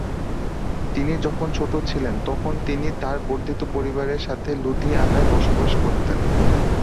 তিনি যখন ছোট ছিলেন তখন তিনি তাঁর বর্ধিত পরিবারের সাথে লুধিয়ানায় বসবাস করতেন।